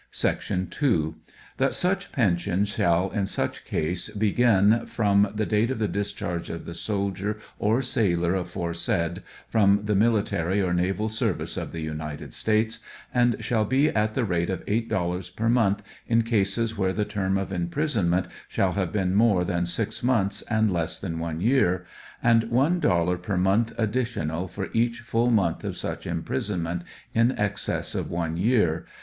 Sec. 2. That such pension shall in each case begin from the date of the discharge of the soldier or sailor aforesaid from the military or naval service of the United States, and shall be at the rate of eight dollars per month in cases where the term of imprisonment shall have been more than six months and less than one year, and one dollar per month additional for each full month of such imprisonment in excess of one year.